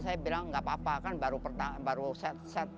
saya bilang nggak apa apa kan baru set set